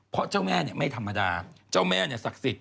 เพราะเจ้าแม่ไม่ธรรมดาเจ้าแม่เนี่ยศักดิ์สิทธิ